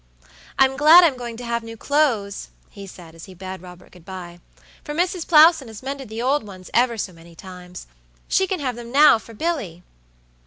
"I'm glad I'm going to have new clothes," he said, as he bade Robert good by; "for Mrs. Plowson has mended the old ones ever so many times. She can have them now, for Billy."